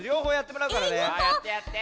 やってやって！